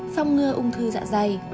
phòng ngừa ung thư dạ dày